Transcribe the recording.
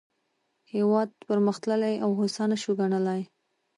هېواد پرمختللی او هوسا نه شو ګڼلای.